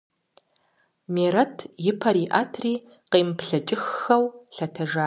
Мерэт и пэр иӀэтри къемыплъэкӀыххэу лъэтэжащ.